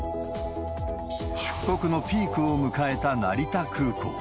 出国のピークを迎えた成田空港。